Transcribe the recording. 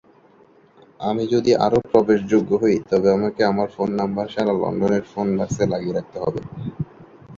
আমি যদি আরও প্রবেশযোগ্য হই তবে আমাকে আমার ফোন নাম্বার সারা লন্ডনের ফোন বাক্সে লাগিয়ে রাখতে হবে।